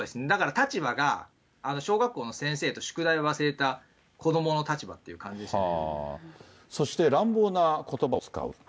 だから立場が小学校の先生と宿題を忘れた子どもの立場っていう感そして、乱暴なことばを使う。